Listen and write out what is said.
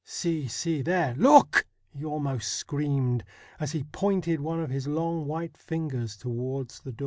See, see, there — look !' he almost screamed, as he pointed one of his long white fingers towards the door.